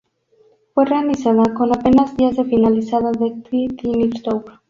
Fue realizada con apenas días de finalizada The Tiny Tour.